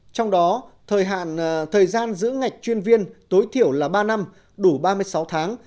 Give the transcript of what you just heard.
trong đó thời gian giữ ngạch chuyên viên tối thiểu là ba năm đủ ba mươi sáu tháng